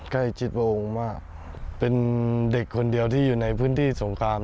ใกล้ชิดพระองค์มากเป็นเด็กคนเดียวที่อยู่ในพื้นที่สงคราม